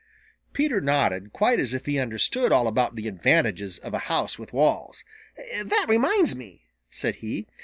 Peter nodded quite as if he understood all about the advantages of a house with walls. "That reminds me," said he.